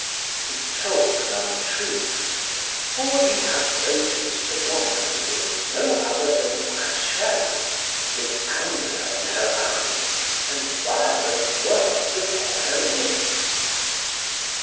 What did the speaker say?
He told an untruth, for he had noticed the woman, who was no other than Rachel, with anger in her eyes and violent words upon her lips.